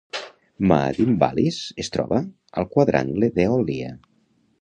Ma'adim Vallis es troba al quadrangle d'Eòlia.